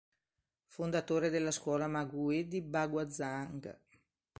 Fondatore della Scuola Ma Gui di Baguazhang.